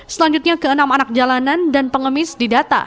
selanjutnya ke enam anak jalanan dan pengemis didata